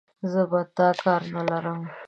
زه په تا کار نه لرم،